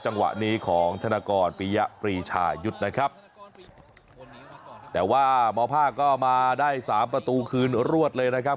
จังหวะนี้ของธนกรปียะปรีชายุทธ์นะครับแต่ว่าหมอภาคก็มาได้สามประตูคืนรวดเลยนะครับ